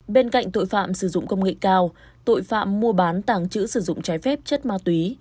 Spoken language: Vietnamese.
bên cạnh tội phạm sử dụng công nghệ cao tội phạm mua bán tàng trữ sử dụng trái phép chất ma túy